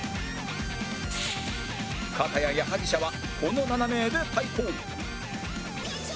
片や矢作舎はこの７名で対抗